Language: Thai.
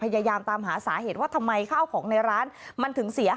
พยายามตามหาสาเหตุว่าทำไมข้าวของในร้านมันถึงเสียหาย